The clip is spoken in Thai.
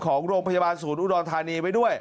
ของโรงพยาบาลศูนย์อุดรธานีไว้ด้วย